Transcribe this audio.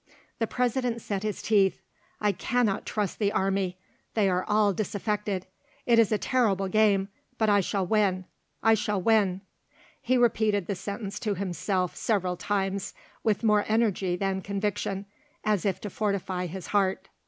The President set his teeth. "I cannot trust the army; they are all disaffected. It is a terrible game; but I shall win, I shall win!" He repeated the sentence to himself several times with more energy than conviction, as if to fortify his heart.